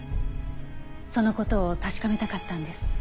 その事を確かめたかったんです。